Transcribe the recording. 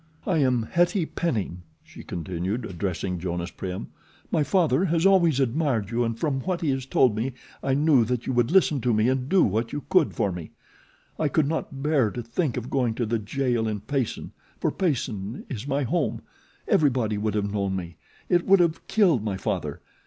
"I am Hettie Penning," she continued, addressing Jonas Prim. "My father has always admired you and from what he has told me I knew that you would listen to me and do what you could for me. I could not bear to think of going to the jail in Payson, for Payson is my home. Everybody would have known me. It would have killed my father.